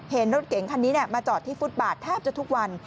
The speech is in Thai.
เห็นรถเก๋งคันนี้มาจอดที่ฟุตบาทแทบจะทุกวัน